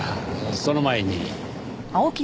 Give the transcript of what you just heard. その前に。